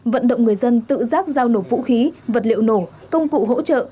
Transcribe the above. vận động người dân tự giác giao nộp vũ khí vật liệu nổ công cụ hỗ trợ